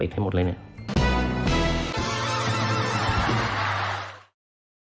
ให้หมดเลยเนี่ย